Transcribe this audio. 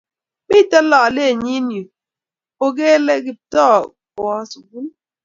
mito lolenyin yu, ukele Kiptooo kuwo sukul